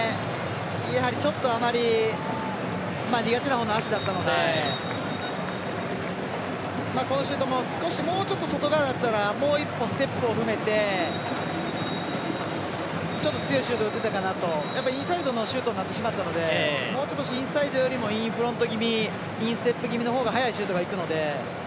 やはりちょっとあまり苦手なほうの足だったのでこのシュートももうちょっと外側だったらもう一歩、ステップを踏めてちょっと強いシュート打てたかなとインサイドのシュートになってしまったのでインサイドよりもインフロント気味インステップ気味のほうが速いシュートがいくので。